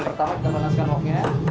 step pertama kita panaskan woknya